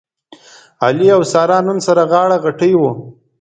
علي او ساره نن سره غاړه غټۍ و.